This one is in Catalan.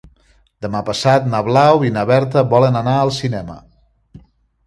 Demà passat na Blau i na Berta volen anar al cinema.